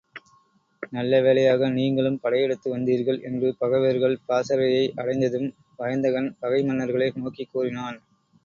நல்லவேளையாக நீங்களும் படையெடுத்து வந்தீர்கள் என்று பகைவர்கள் பாசறையை அடைந்ததும் வயந்தகன் பகைமன்னர்களை நோக்கிக் கூறினான்.